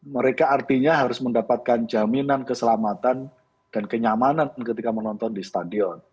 mereka artinya harus mendapatkan jaminan keselamatan dan kenyamanan ketika menonton di stadion